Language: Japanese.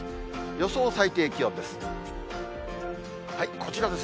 予想最低気温です。